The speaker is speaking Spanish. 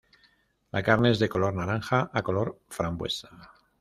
La carne es de color naranja a color frambuesa.